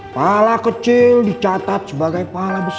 pala kecil dicatat sebagai pahala besar